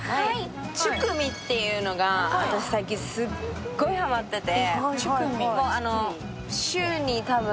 チュクミっていうのが最近すっごくハマってて。